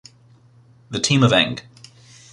The team of eng.